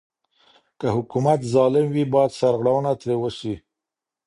که حکومت ظالم وي بايد سرغړونه ترې وسي.